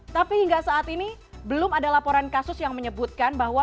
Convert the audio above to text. tapi hingga saat ini belum ada laporan kasus yang menyebutkan bahwa